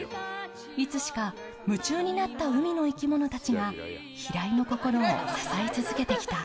いつしか夢中になった海の生き物たちが平井の心を支え続けてきた。